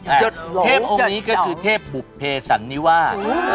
อันนี้ก็คือเทพบุพเพสันนิวา